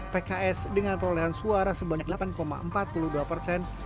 pks dengan perolehan suara sebanyak delapan empat puluh dua persen